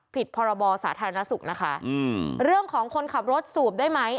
พรบสาธารณสุขนะคะอืมเรื่องของคนขับรถสูบได้ไหม